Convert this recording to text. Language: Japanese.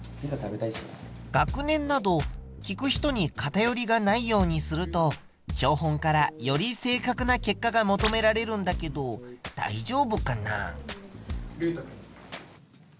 学年など聞く人に偏りがないようにすると標本からより正確な結果が求められるんだけどだいじょうぶかな？